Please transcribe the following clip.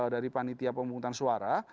dari panitia pembungkutan suara